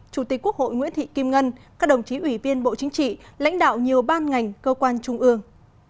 chủ tịch quốc hội nguyễn thị kim ngân các đồng chí ủy viên bộ chính trị lãnh đạo nhiều ban ngành cơ quan trung ương